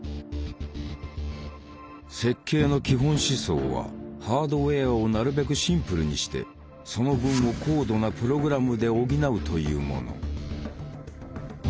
設計の基本思想はハードウェアをなるべくシンプルにしてその分を高度なプログラムで補うというもの。